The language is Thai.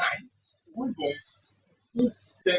ไม่ตรง